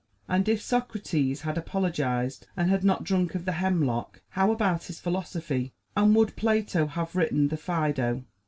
And if Socrates had apologized and had not drunk of the hemlock, how about his philosophy, and would Plato have written the "Phædo"?